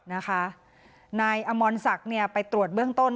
นะคะนายอมอนศักดิ์เนี่ยไปตรวจเบื้องต้น